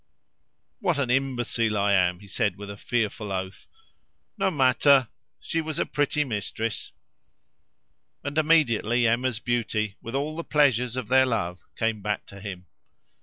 "What an imbecile I am!" he said with a fearful oath. "No matter! She was a pretty mistress!" And immediately Emma's beauty, with all the pleasures of their love, came back to him.